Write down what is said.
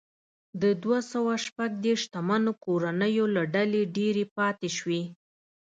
د دوه سوه شپږ دېرش شتمنو کورنیو له ډلې ډېرې پاتې شوې.